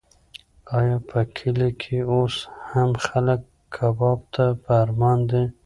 ایا په کلي کې اوس هم خلک کباب ته په ارمان دي؟